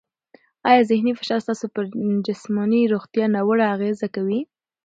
آیا ذهني فشار ستاسو پر جسماني روغتیا ناوړه اغېزه کوي؟